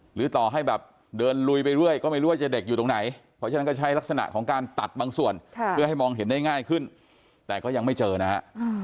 หรือต่อให้แบบเดินลุยไปเรื่อยก็ไม่รู้ว่าจะเด็กอยู่ตรงไหนเพราะฉะนั้นก็ใช้ลักษณะของการตัดบางส่วนเพื่อให้มองเห็นได้ง่ายขึ้นแต่ก็ยังไม่เจอนะฮะ